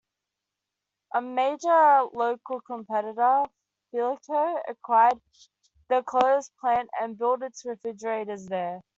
A major local competitor, Philco, acquired the closed plant and built its refrigerators there.